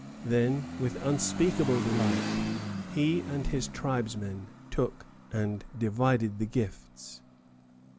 Then, with unspeakable delight, he and his tribesmen took and divided the gifts.